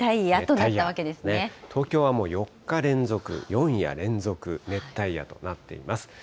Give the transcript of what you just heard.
東京はもう４日連続、４夜連続、熱帯夜となっています。